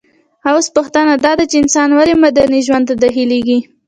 اوس پوښتنه داده چي انسان ولي مدني ژوند ته داخليږي؟